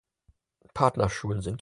Partnerschulen sind